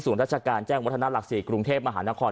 ศูนย์ราชการแจ้งวัฒนาหลักศรีกรุงเทพฯมหานคร